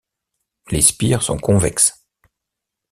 Les spires sont convexes.